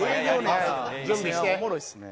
いやおもろいっすね。